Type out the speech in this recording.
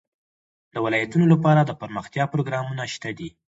د ولایتونو لپاره دپرمختیا پروګرامونه شته دي.